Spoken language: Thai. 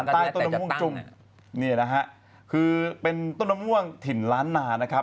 ทุ่มคือเป็นต้นม่วงถิ่นล้านนา